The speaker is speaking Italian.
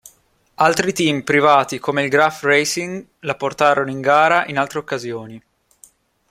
Altri team privati come il Graff Racing la portarono in gara in altre occasioni.